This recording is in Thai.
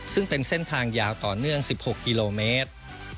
ซึ่งเป็นเส้นทางยาวต่อเนื่อง๑๖กิโลเมตร